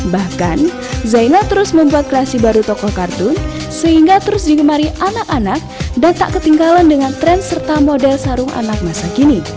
bahkan zainal terus membuat kreasi baru tokoh kartun sehingga terus digemari anak anak dan tak ketinggalan dengan tren serta model sarung anak masa kini